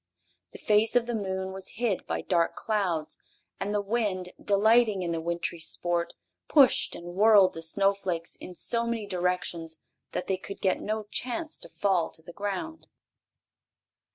The face of the moon was hid by dark clouds, and the wind, delighting in the wintry sport, pushed and whirled the snowflakes in so many directions that they could get no chance to fall to the ground.